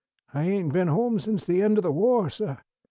I ain't been home since the end o' the wah, suh.